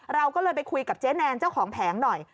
เราก็เลยไปคุยกับเจ๊แนนเจ้าของแผงหน่อย